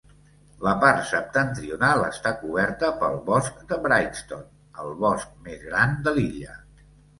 La part septentrional està coberta pel bosc de Brightstone, el bosc més gran de l'illa.